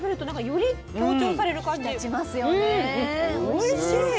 おいしい！